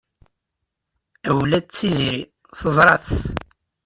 Ula d Tiziri teẓra-t.